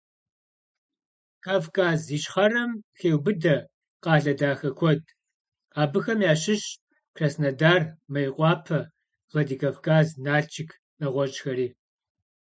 Kavkaz Yişxherem xêubıde khale daxe kued. Abıxem yaşışş Krasnodar, Mêykhuape, Vladikavkaz, Nalşşık, neğueş'xeri.